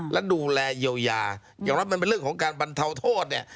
และดูแลเยียวยาอย่างน้อยมันเป็นเรื่องของการบรรเทาโทษเนี่ย